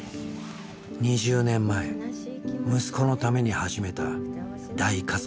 ２０年前息子のために始めた大家族の暮らし。